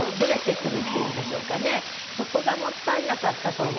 そこがもったいなかったと思います。